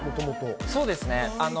そうですね。